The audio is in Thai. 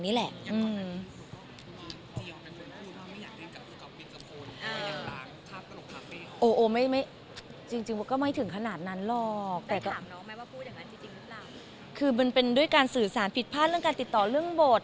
นี่แหละอืมจริงก็ไม่ถึงขนาดนั้นหรอกแต่ก็คือมันเป็นด้วยการสื่อสารผิดพลาดเรื่องการติดต่อเรื่องบท